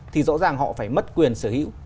thì rõ ràng họ phải mất quyền sở hữu